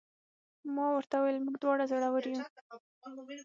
ما ورته وویل: موږ دواړه زړور یو.